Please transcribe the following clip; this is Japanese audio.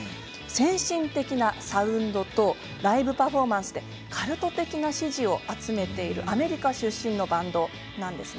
先進的なサウンドとライブパフォーマンスでカルト的な支持を集めているアメリカ出身のバンドなんです。